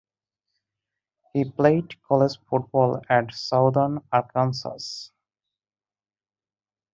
He played college football at Southern Arkansas.